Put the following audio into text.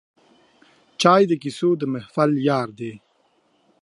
چای د کیسو د محفل یار دی